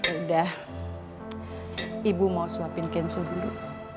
udah ibu mau suapin kenso dulu